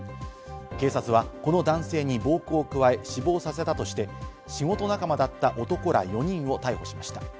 警察はこの男性に暴行を加え死亡させたとして、仕事仲間だった男ら４人を逮捕しました。